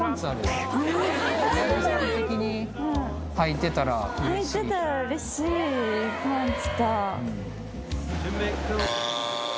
はいてたらうれしいパンツか。